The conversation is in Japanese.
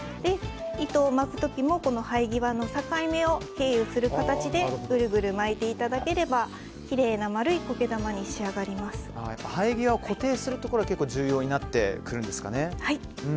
糸を巻く時も生え際の境目を経由する形でグルグル巻いていただければきれいな丸い苔玉に生え際を固定することが結構重要になるんですかね。